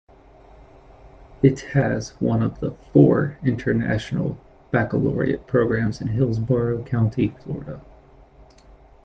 It has one of the four International Baccalaureate programs in Hillsborough County, Florida.